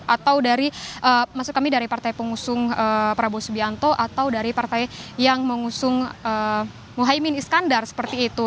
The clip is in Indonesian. atau dari maksud kami dari partai pengusung prabowo subianto atau dari partai yang mengusung mohaimin iskandar seperti itu